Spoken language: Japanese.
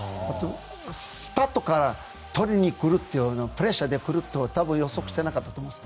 スタートから取りにプレッシャーで来るとは予測していなかったと思います。